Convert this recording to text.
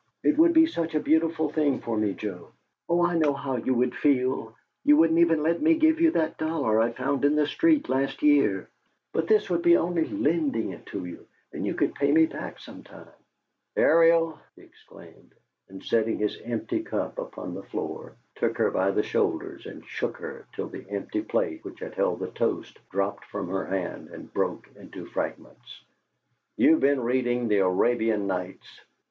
It would be such a beautiful thing for me, Joe. Oh, I know how you'd feel; you wouldn't even let me give you that dollar I found in the street last year; but this would be only lending it to you, and you could pay me back sometime " "Ariel!" he exclaimed, and, setting his empty cup upon the floor, took her by the shoulders and shook her till the empty plate which had held the toast dropped from her hand and broke into fragments. "You've been reading the Arabian Nights!"